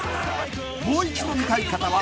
［もう一度見たい方は］